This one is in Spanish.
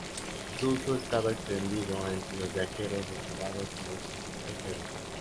Su uso estaba extendido entre los viajeros, los soldados y los efebos.